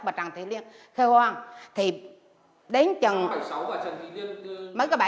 bà tràng thị liên là con của ông trẳng lưỡng sinh năm một nghìn chín trăm sáu mươi chín